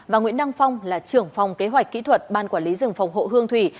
và nguyễn đăng phong là trưởng phòng kế hoạch kỹ thuật ban quản lý rừng phòng hộ hương thủy